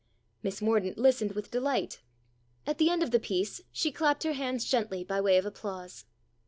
Miss Mor daunt listened with delight. At the end of the piece she clapped her hands gently by way of applause.